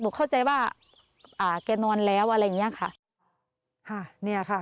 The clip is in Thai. หนูเข้าใจว่าแกนอนแล้วอะไรอย่างนี้ค่ะ